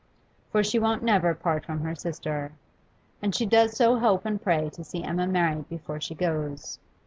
for she won't never part from her sister. And she does so hope and pray to see Emma married before she goes.